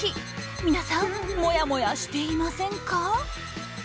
皆さんもやもやしていませんか？